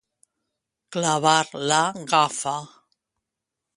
Clavar la gafa.